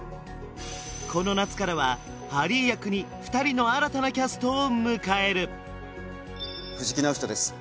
この夏からはハリー役に２人の新たなキャストを迎える藤木直人です